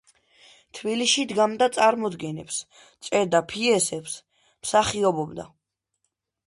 თბილისში დგამდა წარმოდგენებს, წერდა პიესებს, მსახიობობდა.